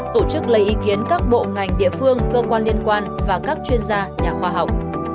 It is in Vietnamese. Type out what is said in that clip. tổ chức lấy ý kiến các bộ ngành địa phương cơ quan liên quan và các chuyên gia nhà khoa học